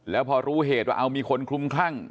แล้วพอรู้เหตุว่าเอามีคนคลุมคลั่ง